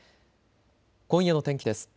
今夜の天気です。